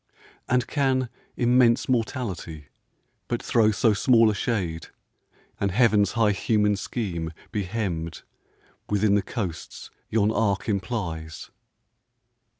And can immense Mortality but throw So small a shade, and Heaven's high human scheme Be hemmed within the coasts yon arc implies?